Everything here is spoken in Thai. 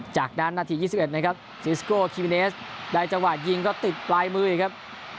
จากนั้นนาทียี่สิบเอ็ดนะครับซีสโก้คิวเนสได้จังหวาดยิงก็ติดปลายมือนะครับ